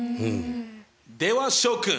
では諸君！